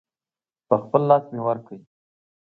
په خپل لاس مې ورکړ.